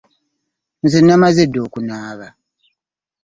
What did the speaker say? Nze namaze dda okunaaba.